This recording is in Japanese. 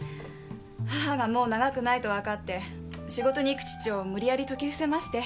母がもう長くないとわかって仕事に行く父を無理やり説き伏せまして。